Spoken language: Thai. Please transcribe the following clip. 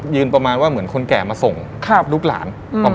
ยืนประมาณว่าเหมือนคนแก่มาส่งลูกหลาน